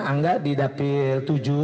angga di dapil tujuh